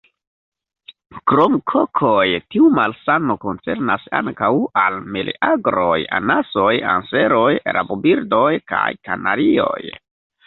Krom kokoj, tiu malsano koncernas ankaŭ al meleagroj, anasoj, anseroj, rabobirdoj, kaj kanarioj.